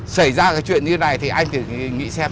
xảy ra cái chuyện như thế này thì anh phải nghĩ xem